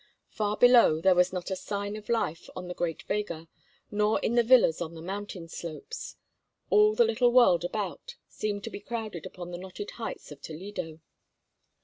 Far below there was not a sign of life on the great vega, nor in the villas on the mountain slopes. All the little world about seemed to be crowded upon the knotted heights of Toledo.